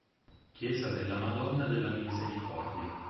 Chiesa della Madonna della Misericordia